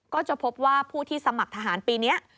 ก็จะพบว่าผู้ที่สมัครทหารปีนี้